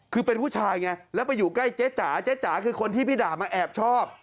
คือเป็นผู้ชายไงแล้วไปอยู่ใกล้เจ๊จ๋าเจ๊จ๋าคือคนที่พี่ด่ามาแอบชอบ